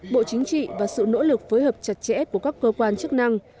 bộ chính trị và sự nỗ lực phối hợp chặt chẽ của các cơ quan chức năng